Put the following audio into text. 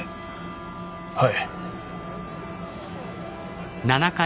はい。